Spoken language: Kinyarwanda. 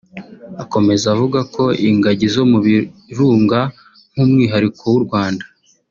Akomeza avuga ko ingagi zo mu birunga nk’umwihariko w’u Rwanda